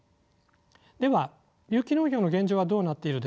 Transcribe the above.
では有機農業の現状はどうなっているでしょうか。